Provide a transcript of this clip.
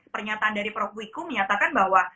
pernyataan dari prof wiku menyatakan bahwa